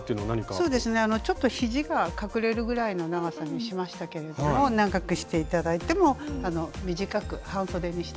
そうですねちょっとひじが隠れるぐらいの長さにしましたけれども長くして頂いても短く半そでにして頂いてもいいと思います。